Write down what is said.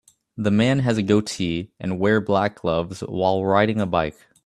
The man has a goatee and wear black gloves while riding a bike